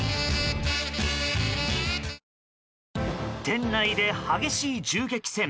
店内で激しい銃撃戦。